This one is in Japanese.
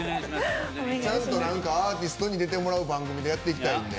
ちゃんとアーティストに出てもらう番組でやっていきたいんで。